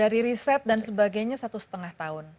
dari riset dan sebagainya satu setengah tahun